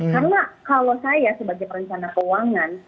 karena kalau saya sebagai perencana keuangan